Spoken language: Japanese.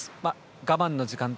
我慢の時間帯